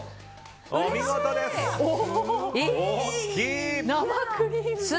お見事です！